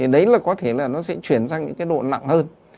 đấy là có thể là nó sẽ chuyển sang những độ nặng hơn